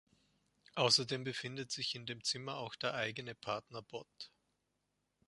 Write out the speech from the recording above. Außerdem befindet sich in dem Zimmer auch der eigene Partner-Bot.